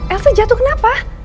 elsa jatuh kenapa